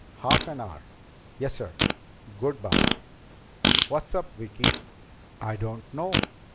... Half an hour. ... Yes, sir. Good by." "What's up, Vicki?" "I don't know.